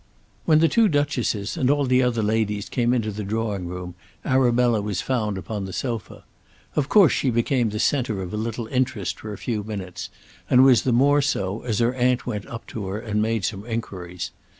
When the two duchesses and all the other ladies came out into the drawing room, Arabella was found upon the sofa. Of course she became the centre of a little interest for a few minutes, and the more so, as her aunt went up to her and made some inquiries.